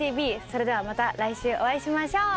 それではまた来週お会いしましょう！